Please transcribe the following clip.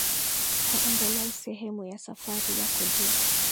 kwa angalau sehemu ya safari yako Je